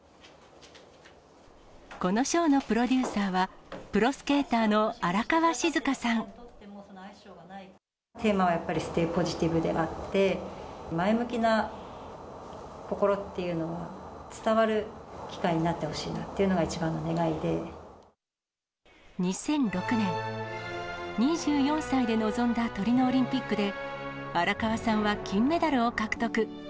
このショーのプロデューサーはプテーマはやっぱりステイ・ポジティブであって、前向きなところっていうのが伝わる機会になってほしいなっていう２００６年、２４歳で臨んだトリノオリンピックで、荒川さんは金メダルを獲得。